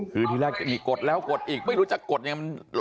คือทีแรกอีกกดแล้วกดอีกไม่รู้จะกดยังไง